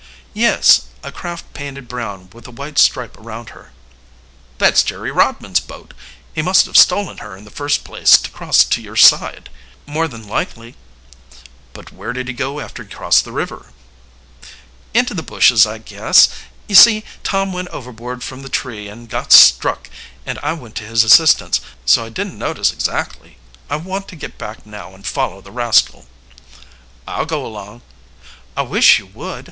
"Yes a craft painted brown, with a white stripe around her." "That's Jerry Rodman's boat. He must have stolen her in the first place to cross to your side." "More than likely." "But where did he go after he crossed the river?" "Into the bushes, I guess. You see, Tom went overboard from the tree and got struck, and I went to his assistance, so I didn't notice exactly. I want to get back now and follow the rascal." "I'll go along." "I wish you would."